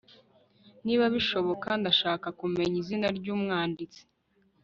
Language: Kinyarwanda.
niba bishoboka, ndashaka kumenya izina ryumwanditsi